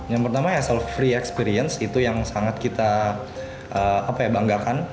yang pertama asal free experience itu yang sangat kita banggakan